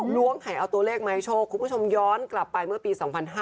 ล้วงไข่เอาตัวเลขมาให้โชคคุณผู้ชมย้อนกลับไปเมื่อปี๒๕๕๙